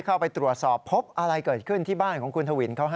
เข้าไปตรวจสอบพบอะไรเกิดขึ้นที่บ้านของคุณทวินเขาฮะ